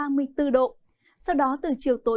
sau đó từ trần sơn đến thừa thiên huế